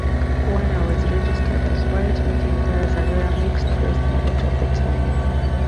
Werner was registered as white, making theirs a rare mixed-race marriage at the time.